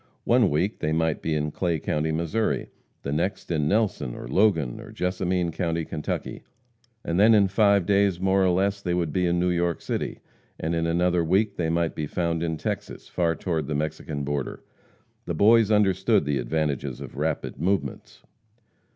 One week they might be in Clay county, Missouri, and the next in Nelson, or Logan, or Jessamine county, Kentucky, and then in five days more or less they would be in New York City, and in another week they might be found in Texas far toward the Mexican border. The Boys understood the advantages of rapid movements.